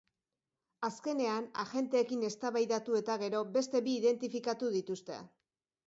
Azkenean, agenteekin eztabaidatu eta gero, beste bi identifikatu dituzte.